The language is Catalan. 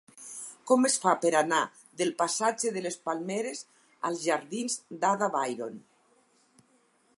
Com es fa per anar del passatge de les Palmeres als jardins d'Ada Byron?